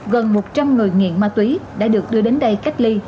gần một trăm linh người nghiện ma túy đã được đưa đến đây cách ly